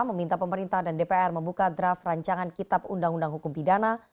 meminta pemerintah dan dpr membuka draft rancangan kitab undang undang hukum pidana